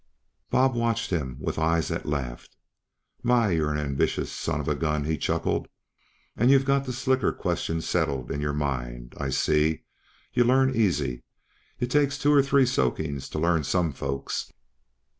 Bob watched him with eyes that laughed. "My, you're an ambitious son of a gun," he chuckled. "And you've got the slicker question settled in your mind, I see; yuh learn easy; it takes two or three soakings to learn some folks."